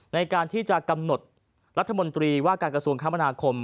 ในการที่จะกำหนดรัฐมนตรีว่าการกระทรวงคมนาคม